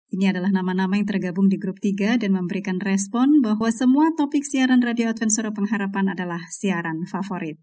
ini adalah nama nama yang tergabung di grup tiga dan memberikan respon bahwa semua topik siaran radio advent suara pengharapan adalah siaran favorit